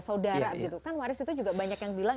saudara gitu kan waris itu juga banyak yang bilang